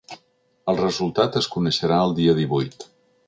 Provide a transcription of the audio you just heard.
El resultat es coneixerà el dia divuit.